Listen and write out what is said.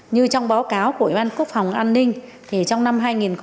như trong báo cáo của ủy ban quốc phòng an ninh thì trong năm hai nghìn hai mươi ba